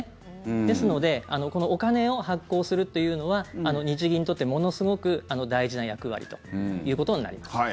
ですのでお金を発行するっていうのは日銀にとってものすごく大事な役割ということになります。